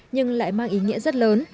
nhưng lại mang ý nghĩa rất lớn